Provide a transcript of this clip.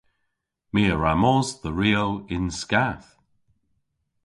My a wra mos dhe Rio yn skath.